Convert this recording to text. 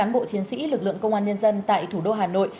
bộ chiến sĩ lực lượng công an nhân dân tại thủ đô hà nội